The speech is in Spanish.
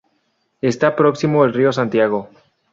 Está próximo al Río Santiago.